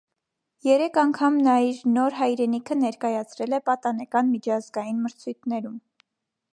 Երեք անգամ նա իր նոր հայրենիքը ներկայացրել է պատանեկան միջազգային մրցույթներում։